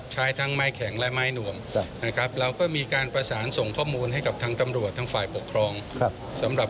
ใช้ทั้งไม้แข็งและไม้หนวมนะครับ